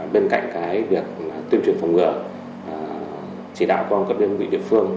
bên cạnh việc tuyên truyền phòng ngựa chỉ đạo công cấp đơn vị địa phương